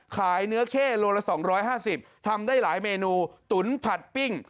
ขายเนื้อเข้โลละ๒๕๐ทำได้หลายเมนูตุ๋นผัดปิ้ง